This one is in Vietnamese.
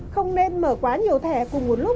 không nên mở quá nhiều thẻ cùng một lúc